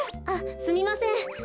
あっすみません。